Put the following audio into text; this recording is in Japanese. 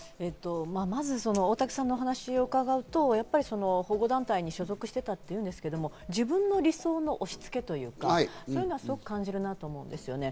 まず大竹さんのお話を伺うと、保護団体に所属していたというんですけど、自分の理想の押し付けというか、そういうのはすごく感じるなと思うんですね。